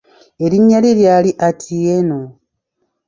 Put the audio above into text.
Erinnya lye ly'ali Atieno.